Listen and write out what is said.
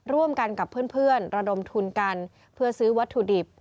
ร่วมกันกับเพื่อนระดมทุนกันเพื่อซื้อวัตถุดิบ